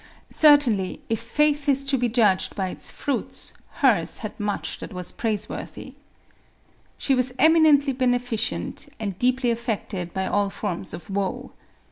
Certainly, if faith is to be judged by its fruits, hers had much that was praiseworthy. She was eminently be MARIA THERESA. 215 neficent, and deeply affected by all forms of woe.